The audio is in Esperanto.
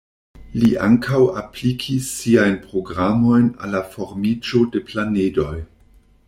Li ankaŭ aplikis siajn programojn al la formiĝo de planedoj.